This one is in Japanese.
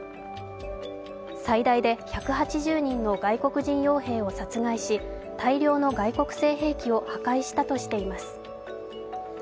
最大で１８０人の外国人傭兵を殺害し大量の外国製兵器を破壊したとしています。